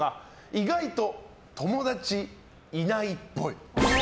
意外と友達いないっぽい。